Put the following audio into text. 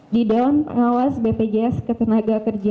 di dewan pengawas bpjs ketenaga kerjaan